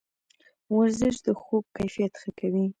ورزش د خوب کیفیت ښه کوي.